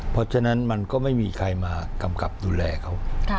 เพราะฉะนั้นมันก็ไม่มีใครมากำกับดูแลเขา